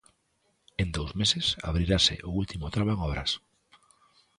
En dous meses abrirase o último tramo en obras.